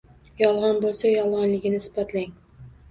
Yolg`on bo`lsa, yolg`onligini isbotlang